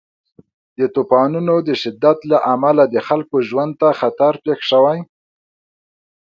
د طوفانونو د شدت له امله د خلکو ژوند ته خطر پېښ شوی.